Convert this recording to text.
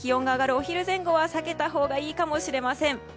お昼前後は避けたほうがいいかもしれません。